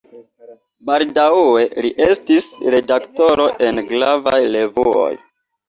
Baldaŭe li estis redaktoro en gravaj revuoj.